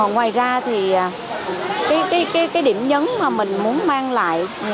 ngoài ra thì cái điểm nhấn mà mình muốn mang lại